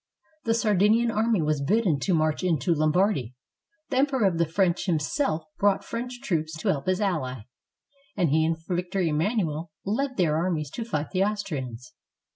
The Sardinian army was bidden to march into Lombardy. The Emperor of the French himself brought French troops to help his ally ; and he and Vic tor Emmanuel led their armies to fight the Austrians.